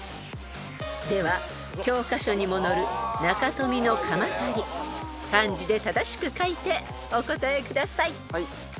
では教科書にも載るなかとみのかまたり漢字で正しく書いてお答えください］